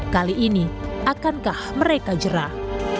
kali ini akankah mereka jerah